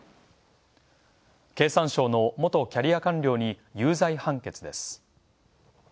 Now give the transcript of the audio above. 経産省の元キャリア官僚に有罪判決です。